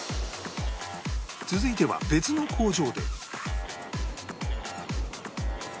続いては別の工場で